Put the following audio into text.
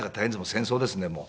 戦争ですねもう。